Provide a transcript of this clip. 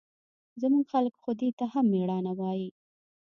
زموږ خلق خو دې ته هم مېړانه وايي.